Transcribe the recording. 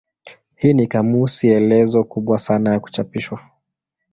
Hii ni kamusi elezo kubwa sana ya kuchapishwa.